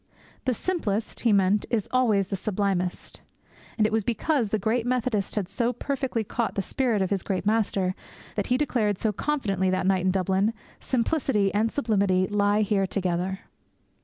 The simplest, He meant, is always the sublimest. And it was because the great Methodist had so perfectly caught the spirit of his great Master that he declared so confidently that night at Dublin, 'Simplicity and sublimity lie here together!'